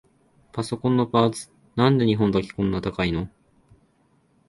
パソコンのパーツ、なんで日本だけこんな高いの？